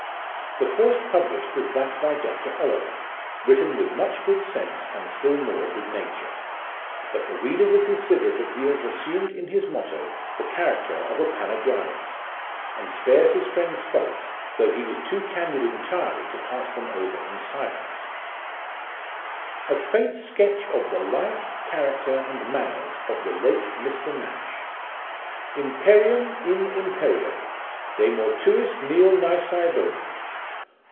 The first published was that by Dr. Oliver, written with much good sense, and still more good nature. But the reader will consider that he has assumed in his motto the character of a panegyrist, and spares his friend's faults, though he was too candid entirely to pass them over in silence : A FAINT SKETCH OF THE LIFE, CHARACTER, AND MANNERS, OF THE LATE MR. NASH. 4 Imperium in Imperio. De mortuis nil nisi bonum.